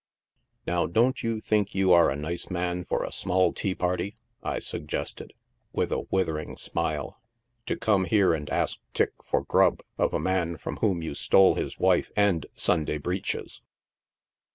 " Now, don't you think you are a nice man for a small tea party ?" I suggested, with a withering smile, " to come here and ask tick for grub of a man from whom you stole his wife and Sunday breeches